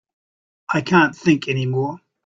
I can't think any more.